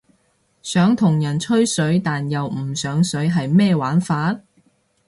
想同人吹水但又唔上水係咩玩法？